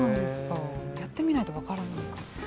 やってみないと分からないかも。